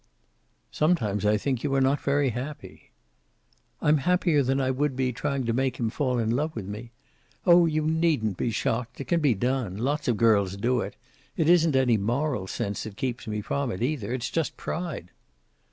"Sometimes I think you are not very happy." "I'm happier than I would be trying to make him fall in love with me. Oh, you needn't be shocked. It can be done. Lots of girls do it. It isn't any moral sense that keeps me from it, either. It's just pride."